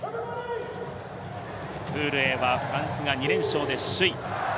プールＡはフランスが２連勝で首位。